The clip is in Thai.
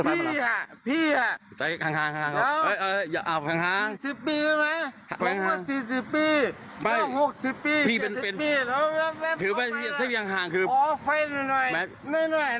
อ๋อไฟหน่อยหน่อยด้วยไหม